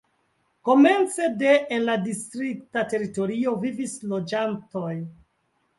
Komence de en la distrikta teritorio vivis loĝantoj.